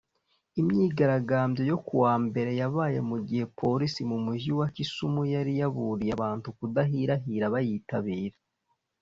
Imyigaragambyo yo kuwa mbere yabaye mu gihe Polisi mu Mujyi wa Kisumu yari yaburiye abantu kudahirahira bayitabira